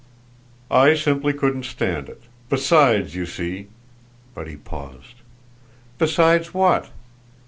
"I simply couldn't stand it. Besides you see !" But he paused. "Besides what?"